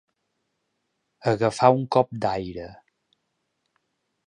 Agafar un cop d'aire.